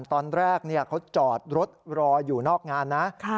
ตอนแรกเขาจอดรถรออยู่นอกงานนะ